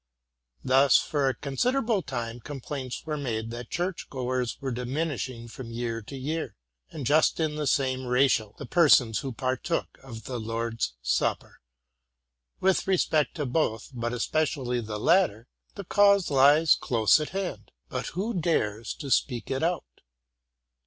Thus for a considerable time complaints were made that church goers were diminishing from year to year, and, just in the same ratio, the persons "who ps irtook of the Lord's s Supper. With respect to both, but especially the latter, the cause lies close at hand; but who dares to speak it out?